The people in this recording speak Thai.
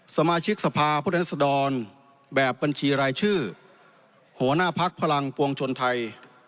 สมาชิกสภาพุทธรัศดรแบบบัญชีรายชื่อหัวหน้าพักพลังปวงชนไทย